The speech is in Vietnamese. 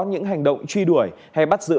những hành động truy đuổi hay bắt giữ